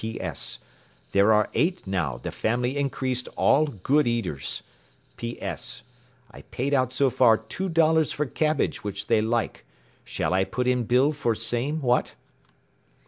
P. S. There are eight now the family increased all good eaters. P. S. I paid out so far two dollars for cabbage which they like shall I put in bill for same what?